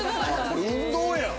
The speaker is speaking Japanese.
これ運動やん。